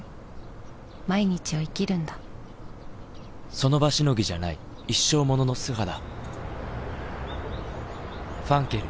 その場しのぎじゃない一生ものの素肌磧ファンケル」